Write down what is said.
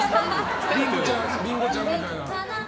リンゴちゃんみたいな。